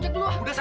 tidak adi primera